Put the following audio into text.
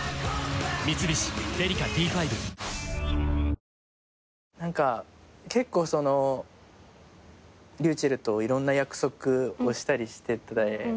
お申込みは結構ｒｙｕｃｈｅｌｌといろんな約束をしたりしてて。